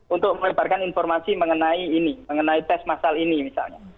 untuk melebarkan informasi mengenai ini mengenai tes masal ini misalnya